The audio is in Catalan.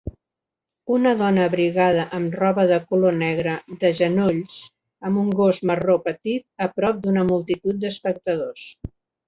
Una dona abrigada amb roba de color negre de genolls amb un gos marró petit a prop d'una multitud d'espectadors.